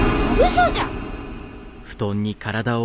嘘じゃ！